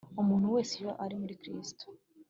Umuntu wese iyo ari muri Kristo,